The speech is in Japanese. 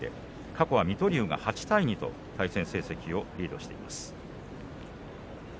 過去は水戸龍が対戦成績大きくリードしています。